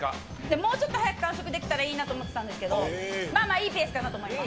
もうちょっと早く完食できたらいいなと思ってたんですけど、まあまあいいペースかなと思います。